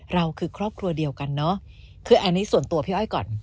เราคือครอบครัวเดียวกันเนอะคืออันนี้ส่วนตัวพี่อ้อยก่อน